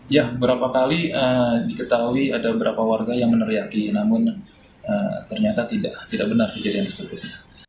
ya berapa kali diketahui ada beberapa warga yang meneriaki namun ternyata tidak benar kejadian tersebut